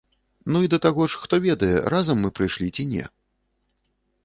Ну і, да таго ж, хто ведае, разам мы прыйшлі, ці не?